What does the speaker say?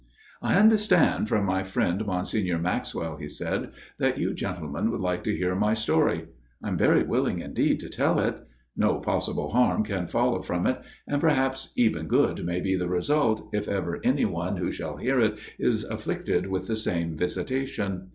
" I understand from my friend, Monsignor Maxwell,*' he said, " that you gentlemen would like to hear my story. I am very willing indeed to tell it. No possible harm can follow from it, and, perhaps even good may be the result, if ever any one who shall hear it is afflicted with the same visitation.